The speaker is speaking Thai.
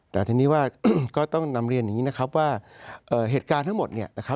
แต่ทีนี้ว่าก็ต้องนำเรียนอย่างนี้นะครับว่าเหตุการณ์ทั้งหมดเนี่ยนะครับ